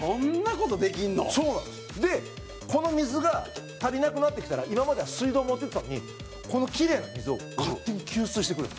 この水が足りなくなってきたら今までは水道持って行ってたのにこのキレイな水を勝手に給水してくれるの。